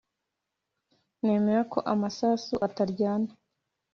Nemera ko amasasu ataryana